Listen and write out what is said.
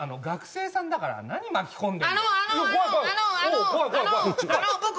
学生さんだから何巻き込んでんの？